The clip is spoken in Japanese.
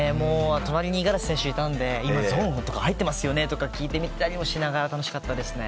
隣に五十嵐選手がいたので今、ゾーン入っていますよねとか聞いたりして楽しかったですね。